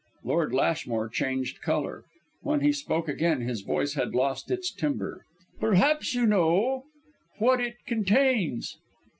Lord Lashmore changed colour. When he spoke again his voice had lost its timbre. "Perhaps you know what it contains."